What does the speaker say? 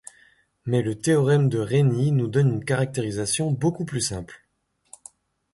Mais le théorème de Rényi nous donne une caractérisation beaucoup plus simple.